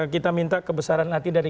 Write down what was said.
kita minta kebesaran hati dari